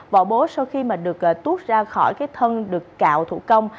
vỏ bố sau khi được tuốt ra khỏi thân được cạo thủ công